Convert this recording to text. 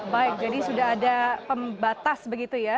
baik jadi sudah ada pembatas begitu ya